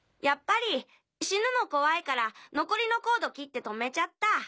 やっぱり死ぬの怖いから残りのコード切って止めちゃった。